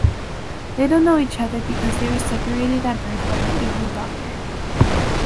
They don’t know each other because they were separated at birth by the evil Dr.